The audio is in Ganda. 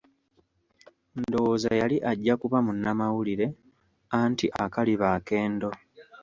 Ndowooza yali ajja kuba munnamawulire, anti akaliba akendo.